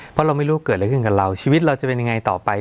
เพราะเราไม่รู้เกิดอะไรขึ้นกับเราชีวิตเราจะเป็นยังไงต่อไป